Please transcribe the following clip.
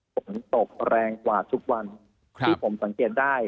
ฝนตกแรงกว่าทุกวันที่ผมสังเกตได้